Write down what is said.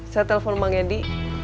saya telepon bang edi